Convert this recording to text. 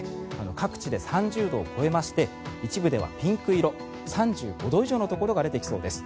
各地で３０度を超えまして一部ではピンク色３５度以上のところが出てきそうです。